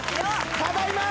ただいま！